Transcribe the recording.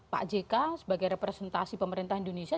pak jk sebagai representasi pemerintah indonesia